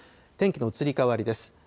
天気の移り変わりです。